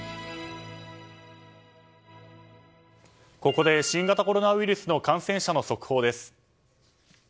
ここで新型コロナウイルスの感染者の速報です。